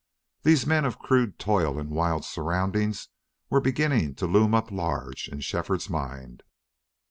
These men of crude toil and wild surroundings were beginning to loom up large in Shefford's mind.